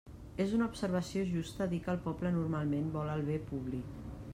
És una observació justa dir que el poble normalment vol el bé públic.